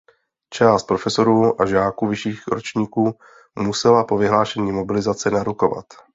Část profesorů a žáků vyšších ročníků musela po vyhlášení mobilizace narukovat.